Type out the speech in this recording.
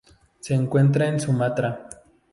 Se encuentra en Sumatra.